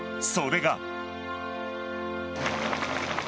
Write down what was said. それが。